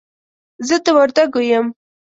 زه د وردګو يم.